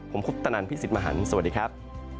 ผมคุปตนันพี่สิทธิ์มหันฯสวัสดีครับ